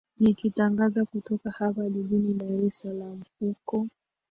nikitangaza kutoka hapa jijini dar es salaam uko